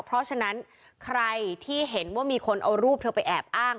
เพราะฉะนั้นใครที่เห็นว่ามีคนเอารูปเธอไปแอบอ้าง